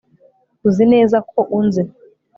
uzi neza ko unzi